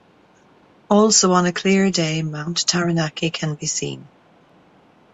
Also on a clear day Mount Taranaki can be seen.